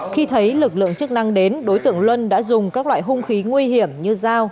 khi thấy lực lượng chức năng đến đối tượng luân đã dùng các loại hung khí nguy hiểm như dao